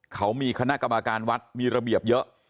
เขามีคณะกรรมการวัดมีระเบียบเยอะ